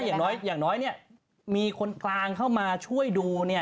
ใช่อย่างน้อยมีคนกลางเข้ามาช่วยดูเนี่ย